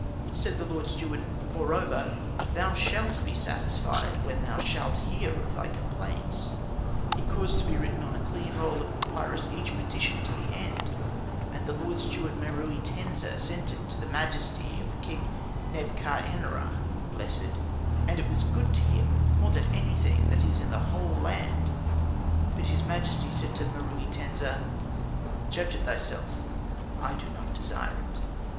Said the Lord Steward, "Moreover, thou shalt be satisfied when thou shalt hear of thy complaints." He caused to be written on a clean roll of papyrus each petition to the end, and the Lord Steward Meruitensa sent it to the majesty of the King Neb ka n ra, blessed, and it was good to him more than anything that is in the whole land: but his majesty said to Meruitensa, "Judge it thyself; I do not desire it."